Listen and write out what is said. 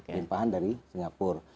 limpahan dari singapura